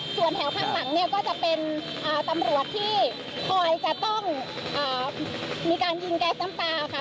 ส่วนแถวข้างหลังเนี่ยก็จะเป็นตำรวจที่คอยจะต้องมีการยิงแก๊สน้ำตาค่ะ